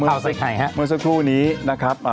มากับเมื่อสักครู่นี้นะครับ